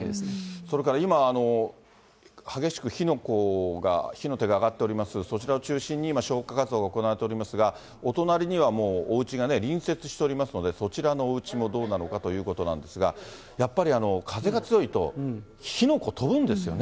それから今、激しく火の粉が、火の手が上がっております、そちらを中心に今、消火活動が行われておりますが、お隣にはもうおうちがね、隣接しておりますので、そちらのおうちもどうなのかということなんですが、やっぱり風が強いと、火の粉、飛ぶんですよね。